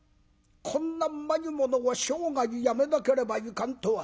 こんなうまいものを生涯やめなければいかんとは。